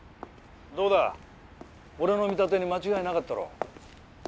どうだ俺の見立てに間違いなかったろ。